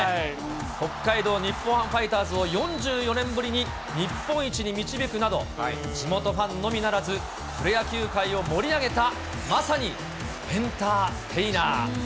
北海道日本ハムファイターズを４４年ぶりに日本一に導くなど、地元ファンのみならず、プロ野球界を盛り上げたまさにエンターテイナー。